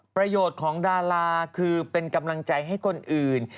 ประโยชน์ของดาราคือเป็นกำลังใจให้คนอื่น